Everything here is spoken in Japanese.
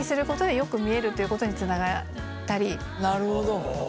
なるほど。